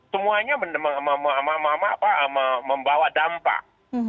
semuanya membawa dampak